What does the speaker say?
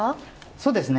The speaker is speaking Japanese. そうですね。